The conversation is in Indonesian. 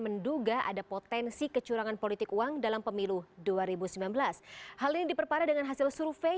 menduga ada potensi kecurangan politik uang dalam pemilu dua ribu sembilan belas hal ini diperparah dengan hasil survei